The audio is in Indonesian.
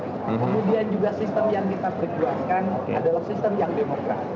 kemudian juga sistem yang kita perkuatkan adalah sistem yang demokrat